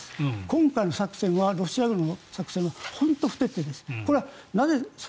今回の作戦はロシア軍の作戦は本当に不徹底なんです。